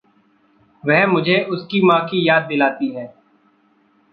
वह मुझे उसकी माँ की याद दिलाती है।